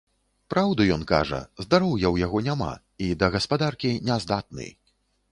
Праўду ён кажа, здароўя ў яго няма, і да гаспадаркі не здатны.